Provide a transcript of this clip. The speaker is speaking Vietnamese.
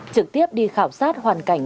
trực tiếp đi khảo sát hoàn cảnh